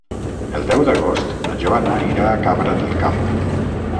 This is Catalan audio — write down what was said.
El deu d'agost na Joana irà a Cabra del Camp.